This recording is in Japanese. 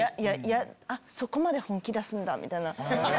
「あっそこまで本気出すんだ」みたいな。